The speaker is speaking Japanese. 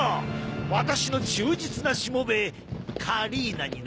私の忠実なしもべカリーナにな。